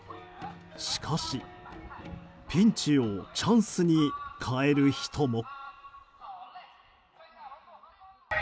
しかし、ピンチをチャンスに変える人も。